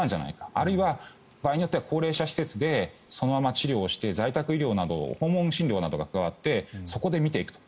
あるいは、場合によっては高齢者施設でそのまま治療して在宅医療など訪問診療などが加わってそこで診ていくと。